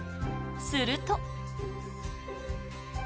すると。